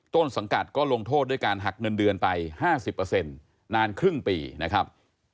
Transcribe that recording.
ต้นสังกัดก็ลงโทษด้วยการหักเงินเดือนไป๕๐นานครึ่งปีนะครับ